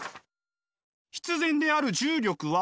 必然である重力は。